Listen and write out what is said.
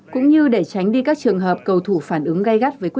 cũng như để tránh đi các trường hợp cầu thủ phản ứng gây gắt